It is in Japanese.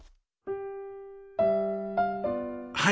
はい。